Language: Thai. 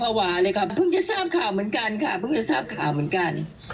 ภาวะเลยค่ะเพิ่งจะทราบข่าวเหมือนกันค่ะเพิ่งจะทราบข่าวเหมือนกัน